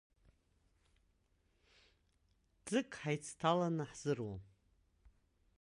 Ӡык ҳаицҭаланы ҳзыруам.